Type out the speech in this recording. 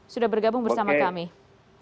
sudah bergabung bersama kami